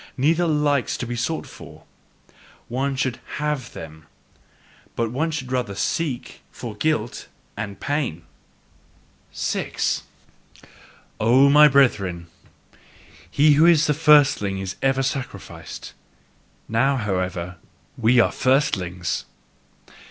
Neither like to be sought for. One should HAVE them, but one should rather SEEK for guilt and pain! 6. O my brethren, he who is a firstling is ever sacrificed. Now, however, are we firstlings!